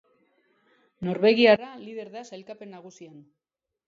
Norvegiarra lider da sailkapen nagusian.